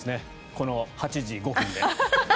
この８時５分で。